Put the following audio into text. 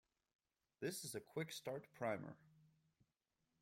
This is a quick start primer.